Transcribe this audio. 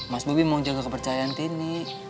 mas bobi mau jaga kepercayaan tini